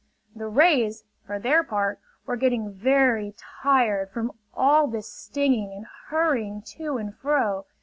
The rays, for their part, were getting very tired from all this stinging and hurrying to and fro.